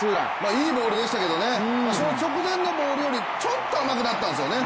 いいボールでしたけどその直前のボールよりちょっと甘くなったんですよね。